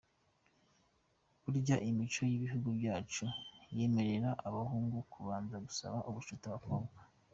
Burya imico y’ibihugu byacu yemerera abahungu kubanza gusaba ubucuti abakobwa.